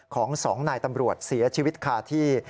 ของ๒นายตำรวจเสียชีวิตคาที่